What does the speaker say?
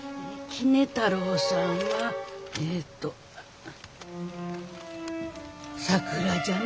杵太郎さんはえっと桜じゃな。